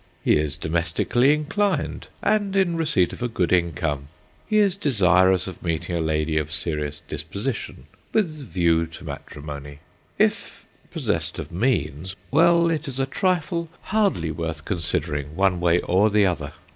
He is domestically inclined, and in receipt of a good income. He is desirous of meeting a lady of serious disposition, with view to matrimony. If possessed of means—well, it is a trifle hardly worth considering one way or the other.